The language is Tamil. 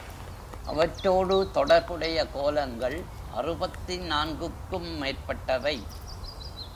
அவற்றோடு தொடர்புடைய கோலங்கள் அறுபத்து நான்குக்கும் மேற்பட்டவை.